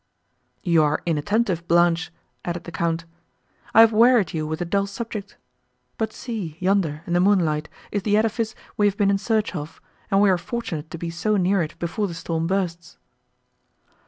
You are inattentive, Blanche," added the Count: "I have wearied you with a dull subject; but see, yonder, in the moonlight, is the edifice we have been in search of, and we are fortunate to be so near it, before the storm bursts."